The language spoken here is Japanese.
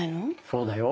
そうだよ。